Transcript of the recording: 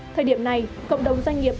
thời điểm này cộng đồng doanh nghiệp